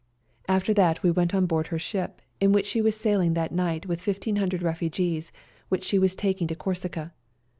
After that we went on board her ship^ in which she was sailing that night with 1,500 refugees which she was taking to Corsica.